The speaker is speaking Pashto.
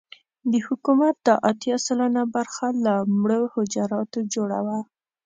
د حکومت دا اتيا سلنه برخه له مړو حجراتو جوړه وه.